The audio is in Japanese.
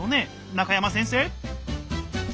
中山先生。